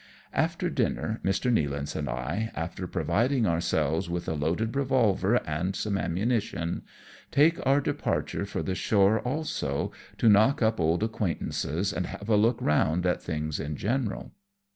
After dinner Mr. Nealance and I, after providing ourselves with a loaded revolver and some ammunition, take our departure for the shore also, to knock up old acquaintances and have a look round at things in general.